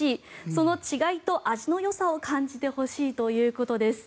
その違いと味のよさを感じてほしいということです。